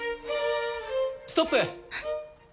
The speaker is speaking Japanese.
ストップ。